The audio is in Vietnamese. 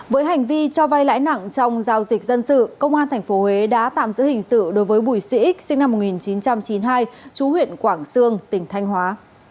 với hành vi cho vay lãi nặng trong giao dịch dân sự công an tp huế đã tạm giữ hình sự đối với bùi sĩ sinh năm một nghìn chín trăm chín mươi hai chú huyện quảng sương tỉnh thanh hóa